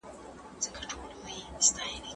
د مخاطبینو لپاره ساده کلمې وکاروئ.